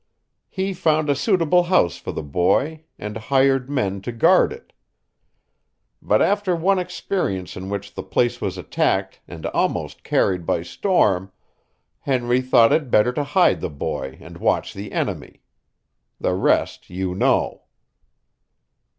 He found a suitable house for the boy, and hired men to guard it. But after one experience in which the place was attacked and almost carried by storm, Henry thought it better to hide the boy and watch the enemy. The rest you know."